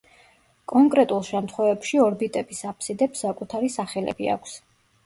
კონკრეტულ შემთხვევებში ორბიტების აფსიდებს საკუთარი სახელები აქვს.